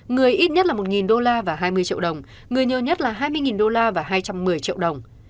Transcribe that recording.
người ít nhất là một đô la và hai mươi triệu đồng người nhờ nhất là hai mươi đô la và hai trăm một mươi triệu đồng